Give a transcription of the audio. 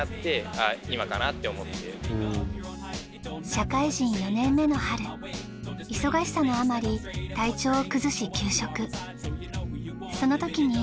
社会人４年目の春忙しさのあまり体調を崩し休職。